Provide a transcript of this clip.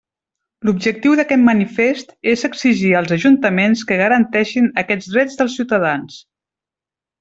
L'objectiu d'aquest manifest és exigir als ajuntaments que garanteixin aquests drets dels ciutadans.